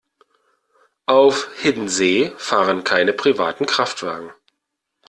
Auf Hiddensee fahren keine privaten Kraftwagen.